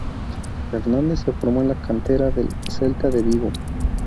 Fernández se formó en la cantera del Celta de Vigo.